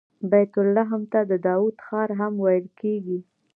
بیت لحم ته د داود ښار هم ویل کیږي.